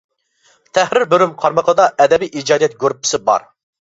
تەھرىر بۆلۈم قارمىقىدا ئەدەبىي ئىجادىيەت گۇرۇپپىسى بار.